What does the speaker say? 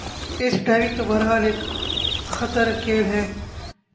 اسک diving تو بہر حال ایک خطر کھیل ہے